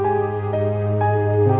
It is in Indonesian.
terima kasih komandan